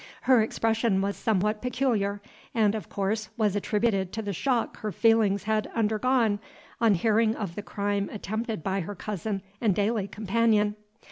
Her expression was somewhat peculiar, and, of course, was attributed to the shock her feelings had undergone on hearing of the crime attempted by her cousin and daily companion.